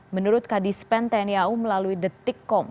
menurut kadispen tni au melalui detik com